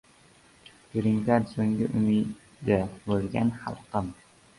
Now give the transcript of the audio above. «Grin kard» so‘nggi umidi bo‘lgan xalqim...